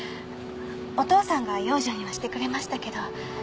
お父さんが養女にはしてくれましたけど。